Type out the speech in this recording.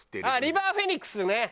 ああリバー・フェニックスね。